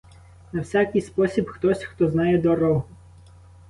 На всякий спосіб хтось, хто знає дорогу.